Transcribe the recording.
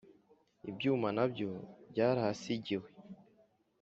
Iby’ibyuma nabyo byarahasigiwe